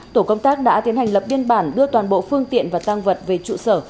tổ công tác đã tiến hành lập biên bản đưa toàn bộ phương tiện và tăng vật về trụ sở